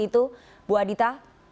itu bu adita